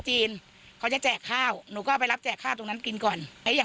พอเขาแจกเงิน๕๐๐๐หนูก็เข้าไม่ทันเขา